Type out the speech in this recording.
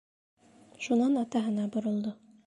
Шунан атаһына боролдо.